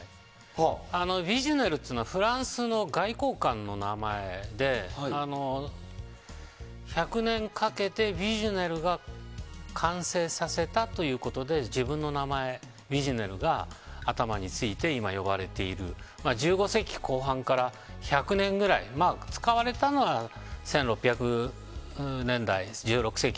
ヴィジュネルというのはフランスの外交官の名前で１００年かけて、ヴィジュネルが完成させたということで自分の名前ヴィジュネが頭について今、呼ばれている１５世紀後半から１００年くらい使われたのは１６００年代